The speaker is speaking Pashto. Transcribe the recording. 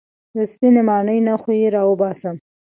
د سپينې ماڼۍ نه خو يې راوباسمه.